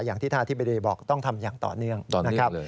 อย่างที่ท่านอธิบดีบอกต้องทำอย่างต่อเนื่องนะครับ